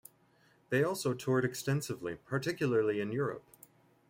They also toured extensively, particularly in Europe.